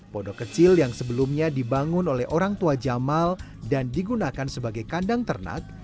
podok kecil yang sebelumnya dibangun oleh orang tua jamal dan digunakan sebagai kandang ternak